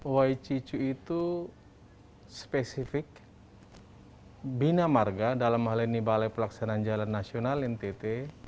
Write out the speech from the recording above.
wai cicu itu spesifik bina marga dalam hal ini balai pelaksanaan jalan nasional ntt